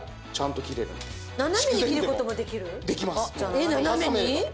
でもえっ斜めに？